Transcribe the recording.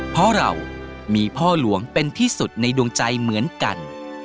เพราะเรามีพ่อหลวงเป็นที่สุดในดวงใจเหมือนกัน